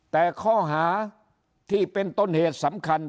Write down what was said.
แต่ข้อหาที่เป็นต้นเหตุสำคัญ